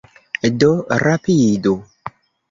Do rapidu!